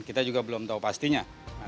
kita juga belum tahu pastinya